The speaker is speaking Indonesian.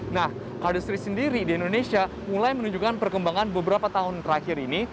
nah cardustry sendiri di indonesia mulai menunjukkan perkembangan beberapa tahun terakhir ini